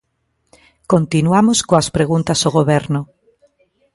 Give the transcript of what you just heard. Continuamos coas preguntas ao Goberno.